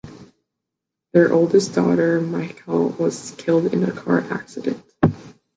Their oldest daughter, Michal, was killed in a car accident.